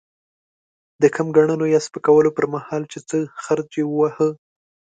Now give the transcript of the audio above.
د کم ګڼلو يا سپکولو پر مهال؛ چې څه خرج يې وواهه.